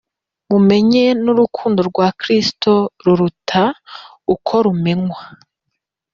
mumenye n'urukundo rwa Kristo ruruta uko rumenywa;